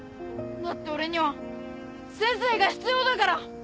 だって俺には先生が必要だから！